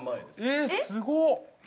◆えっ、すごっ！